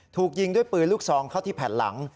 ถูกยิงด้วยปืนลูกซองเข้าที่แผ่นหลัง